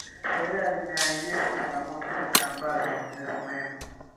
Sheria imeainisha changamoto sita ambazo ni za muhimu